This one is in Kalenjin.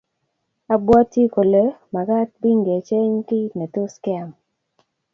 abwati kole magat binmgecheng kiy netos keam